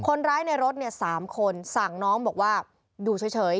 คนร้ายในรถเนี่ย๓คนสั่งน้องบอกว่าอยู่เฉย